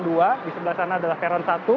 di sebelah sana adalah peron satu